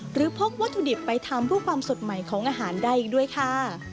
พกวัตถุดิบไปทำเพื่อความสดใหม่ของอาหารได้อีกด้วยค่ะ